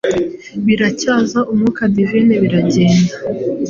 Biracyaza umwuka Divine iragenda,